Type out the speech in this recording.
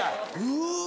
うわ。